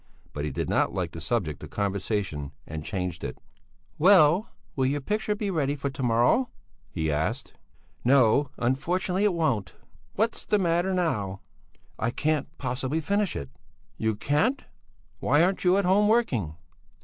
But he did not like the subject of conversation and changed it. "Well, will your picture be ready for to morrow?" he asked. "No, unfortunately, it won't." "What's the matter now?" "I can't possibly finish it." "You can't? Why aren't you at home working?"